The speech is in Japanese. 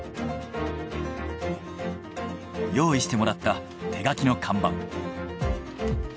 用意してもらった手書きの看板。